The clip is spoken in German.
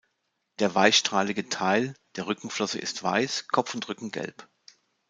Der weichstrahlige Teil der Rückenflosse ist weiß, Kopf und Rücken gelb.